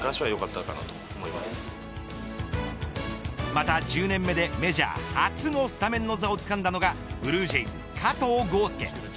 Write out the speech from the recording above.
また１０年目でメジャー初のスタメンの座をつかんだのがブルージェイズ、加藤豪将。